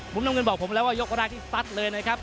น้ำเงินบอกผมไปแล้วว่ายกแรกที่ซัดเลยนะครับ